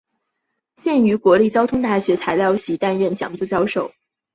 现于国立交通大学材料系担任讲座教授。